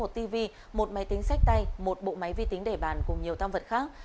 một tv một máy tính sách tay một bộ máy vi tính để bàn cùng nhiều tam vật khác